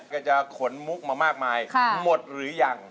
ก็จะขนมุกมามากมายหมดหรือยัง